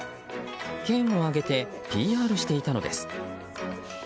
県を挙げてＰＲしていたのです。